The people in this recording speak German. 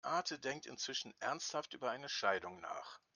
Beate denkt inzwischen ernsthaft über eine Scheidung nach.